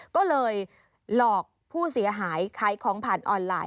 ก็เลยหลอกผู้เสียหายขายของผ่านออนไลน